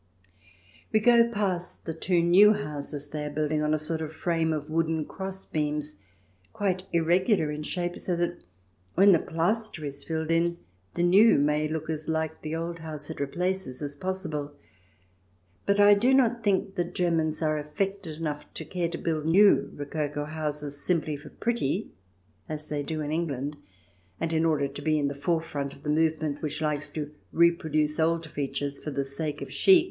We go past the two new houses they are building on a sort of frame of wooden cross beams, quite irregular in shape, so that when the plaster is filled in the new may look as like the old house it replaces as possible. But I do not think that Germans are affected enough to care to build new rococo houses simply "for pretty," as they do in England, and in order to be in the forefront of the movement which likes to reproduce old features for the sake of chic.